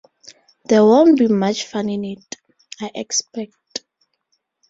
There won’t be much fun in it, I expect.